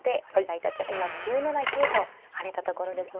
今９七桂と跳ねたところですが。